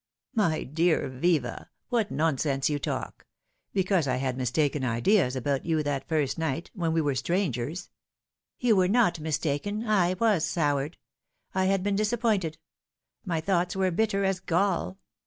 " My dear Viva, what nonsense you talk ! Because I had mistaken ideas about you that first night, when we were strangers" " You were not mistaken. I was soured. I had been disap pointed. My thoughts were bitter as gall.